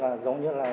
là kiểu như là